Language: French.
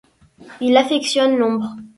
Il affectionne l'ombre.